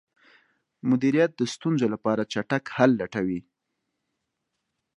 مدیریت د ستونزو لپاره چټک حل لټوي.